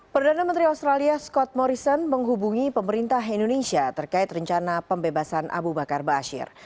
perdana menteri australia scott morrison menghubungi pemerintah indonesia terkait rencana pembebasan abu bakar basir